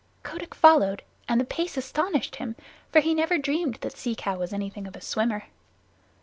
Kotick followed, and the pace astonished him, for he never dreamed that Sea Cow was anything of a swimmer.